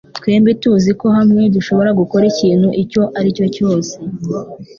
Twembi tuzi ko hamwe dushobora gukora ikintu icyo aricyo cyose